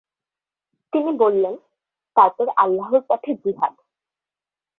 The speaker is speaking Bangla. তিনি বললেন, তারপর আল্লাহর পথে জিহাদ।